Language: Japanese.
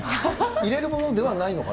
入れるものではないのかな？